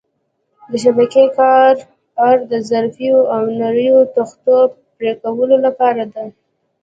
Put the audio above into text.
د شبکې کارۍ اره د ظریفو او نریو تختو پرېکولو لپاره ده.